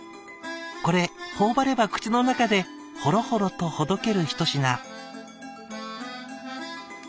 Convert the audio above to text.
これ頬張れば口の中でホロホロとほどける一品」。